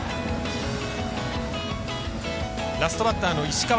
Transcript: ラストバッターの石川。